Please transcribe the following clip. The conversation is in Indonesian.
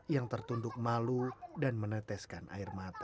yang tertunduk malu dan meneteskan air mata